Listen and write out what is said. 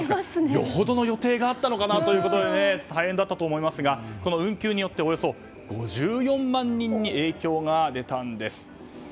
よほどの予定があったのかなということで大変だったかと思いますが運休によって、およそ５４万人に影響が出たんです。